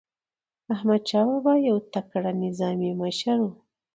احمدشاه بابا یو تکړه نظامي مشر و.